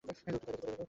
লোকটি তা রেখে চলে গেল।